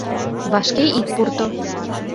Вашке ит пурто.